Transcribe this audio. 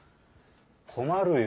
困るよ。